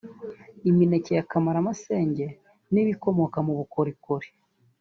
imineke ya kamarasenge n’ibikomoka mu bukorikori